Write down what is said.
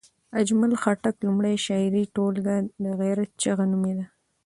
اجمل خټک لومړۍ شعري ټولګه د غیرت چغه نومېده.